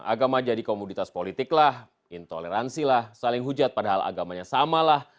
agama jadi komoditas politik lah intoleransi lah saling hujat padahal agamanya sama lah